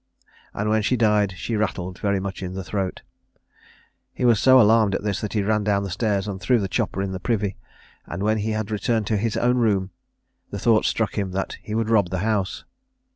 And when she died, she rattled very much in the throat. He was so alarmed at this that he ran down stairs, and threw the chopper in the privy; and when he had returned to his own room, the thought struck him that he would rob the house.